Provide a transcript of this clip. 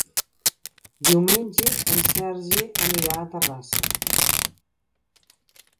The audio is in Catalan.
Diumenge en Sergi anirà a Terrassa.